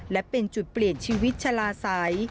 และเป็นจุดเปลี่ยนชีวิตชะลาใส